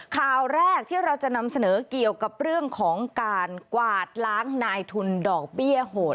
ข่าวแรกที่เราจะนำเสนอเกี่ยวกับเรื่องของการกวาดล้างนายทุนดอกเบี้ยโหด